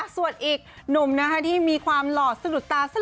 ส่วนอีกหนุ่มนะคะที่มีความหล่อสะดุดตาซะ